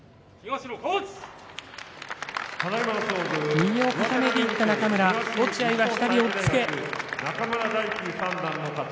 右を固めていった中村落合は左押っつけ。